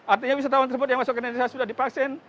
artinya wisatawan tersebut yang masuk ke indonesia sudah divaksin